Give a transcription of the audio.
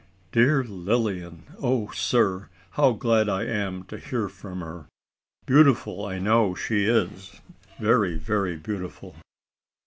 "Dear Lilian! O sir! how glad I am to hear from her! Beautiful I know she is very, very beautiful.